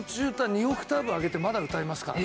２オクターブ上げてまだ歌えますから。